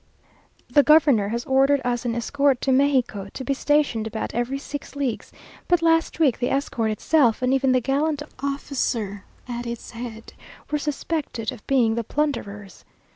The governor had ordered us an escort to Mexico, to be stationed about every six leagues, but last week the escort itself, and even the gallant officer at its head, were suspected of being the plunderers.